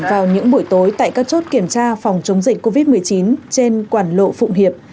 vào những buổi tối tại các chốt kiểm tra phòng chống dịch covid một mươi chín trên quản lộ phụng hiệp